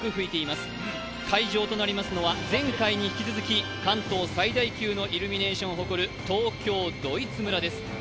会場となりますのは前回に引き続き関東最大のイルミネーションを誇る東京ドイツ村です。